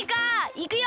いくよ！